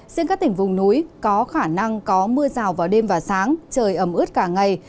riêng các tỉnh vùng núi có khả năng có mưa rào vào đêm và sáng trời ấm ướt cả ngày